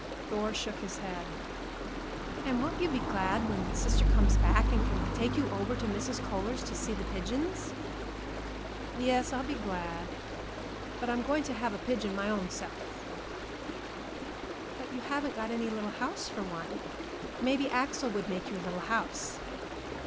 Thor shook his head. "And won't you be glad when sister comes back and can take you over to Mrs. Kohler's to see the pigeons?" "Yes, I'll be glad. But I'm going to have a pigeon my own self." "But you haven't got any little house for one. Maybe Axel would make you a little house."